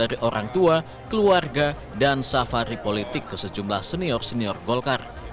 dari orang tua keluarga dan safari politik ke sejumlah senior senior golkar